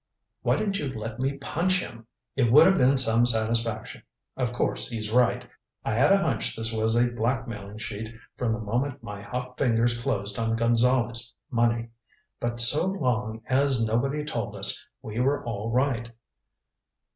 Why didn't you let me punch him? It would have been some satisfaction. Of course he's right. I had a hunch this was a blackmailing sheet from the moment my hot fingers closed on Gonzale's money. But so long as nobody told us, we were all right."